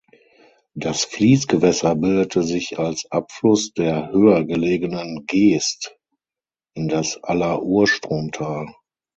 Das Fließgewässer bildete sich als Abfluss der höher gelegenen Geest in das Aller-Urstromtal.